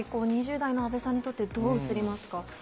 ２０代の阿部さんにとってどう映りますか？